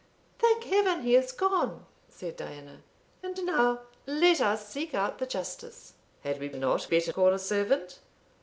"Thank Heaven he is gone!" said Diana. "And now let us seek out the Justice." "Had we not better call a servant?"